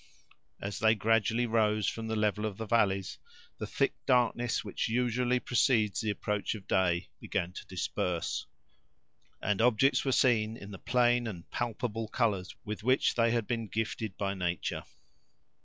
As they gradually rose from the level of the valleys, the thick darkness which usually precedes the approach of day began to disperse, and objects were seen in the plain and palpable colors with which they had been gifted by nature.